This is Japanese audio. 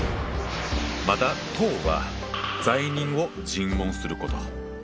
また「討」は罪人を尋問すること。